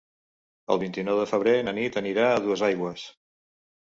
El vint-i-nou de febrer na Nit anirà a Duesaigües.